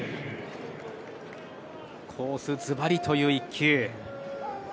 コース、ずばりという一球。